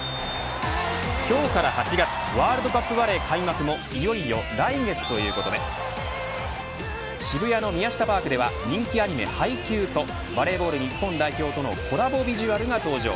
今日から８月ワールドカップバレー開幕もいよいよ来月ということで渋谷のＭＩＹＡＳＨＩＴＡＰＡＲＫでは人気アニメハイキュー！！とバレーボール日本代表とのコラボビジュアルが登場。